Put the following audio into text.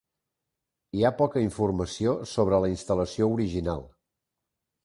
Hi ha poca informació sobre la instal·lació original.